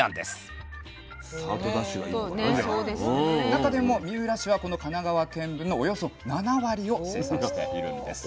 中でも三浦市はこの神奈川県分のおよそ７割を生産しているんです。